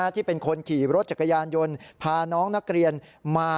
ที่เป็นคนขี่รถจักรยานยนต์พาน้องนักเรียนมา